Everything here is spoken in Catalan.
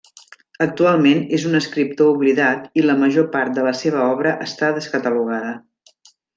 Actualment és un escriptor oblidat i la major part de la seva obra està descatalogada.